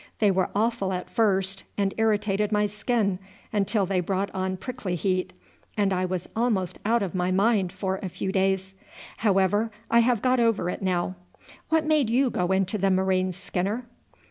They were awful at first, and irritated my skin until they brought on prickly heat, and I was almost out of my mind for a few days. However, I have got over it now. What made you go into the Marines, Skinner?"